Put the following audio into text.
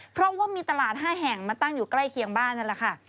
เพราะว่ามีตลาด๕แห่งมาตั้งอยู่ใกล้เคียงบ้านนั่นแหละค่ะ